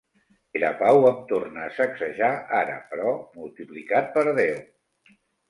Perepau em torna a sacsejar ara, però multiplicat per deu.